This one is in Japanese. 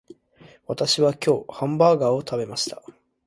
私は今日ハンバーガーを食べました